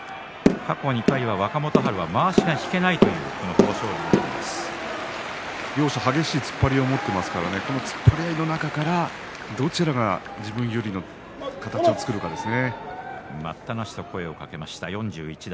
過去２回は若元春はまわしが引けないという両者激しい突っ張りを持っていますから激しい突っ張りからどちらが自分有利の形を作るかですね。